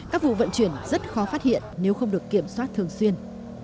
các vụ vận chuyển rất khó phát hiện nếu không được kiểm soát thường xuyên